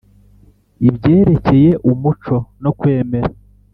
ibyerekeye umuco no kwemera